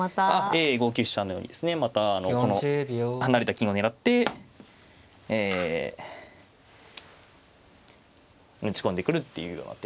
ええ５九飛車のようにですねまたこの離れた金を狙ってえ打ち込んでくるっていうような手が。